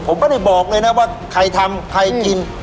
ผมไม่ได้บอกเลยนะว่าใครทำใครกิน